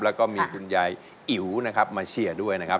แล้วก็มีคุณยายอิ๋วนะครับมาเชียร์ด้วยนะครับ